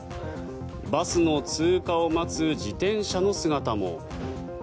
バスの通過を待つ自転車の姿も。